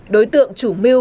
đối tượng chủ mưu